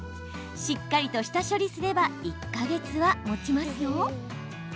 しっかりと下処理すれば１か月はもちますよ。